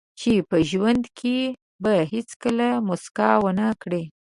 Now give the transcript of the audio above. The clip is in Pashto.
چې په ژوند کې به هیڅکله موسکا ونه کړئ.